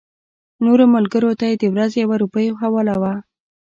نورو ملګرو ته یې د ورځې یوه روپۍ حواله وه.